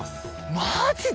マジで！